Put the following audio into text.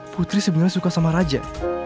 putri sebenarnya suka sama raja